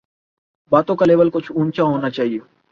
باتوں کا لیول کچھ اونچا ہونا چاہیے۔